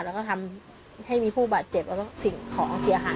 แล้วก็ทำให้มีผู้บาดเจ็บแล้วก็สิ่งของเสียหาย